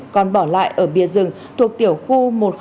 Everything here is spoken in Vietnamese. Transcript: còn bỏ lại ở bia rừng thuộc tiểu khu một nghìn hai mươi ba